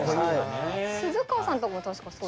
鈴川さんとこも確かそう。